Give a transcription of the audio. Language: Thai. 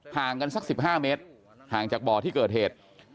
ห่างจากบ่อที่เกิดเหตุ